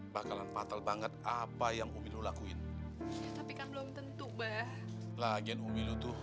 bakalan patah banget apa yang umilu lakuin tapi kan belum tentu bah lagian umilu tuh